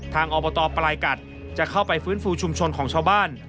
อบตปลายกัดจะเข้าไปฟื้นฟูชุมชนของชาวบ้าน